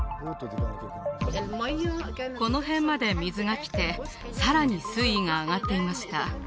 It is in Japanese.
この辺まで水が来てさらに水位が上がっていました